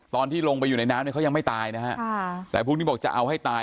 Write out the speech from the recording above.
ตอนที่ลงไปอยู่ในน้ำเนี่ยเขายังไม่ตายนะฮะแต่พวกนี้บอกจะเอาให้ตาย